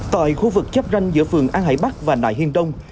tại khu vực chắp ranh giữa phường an hải bắc và nại hiên đông